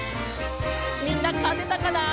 みんなかてたかな？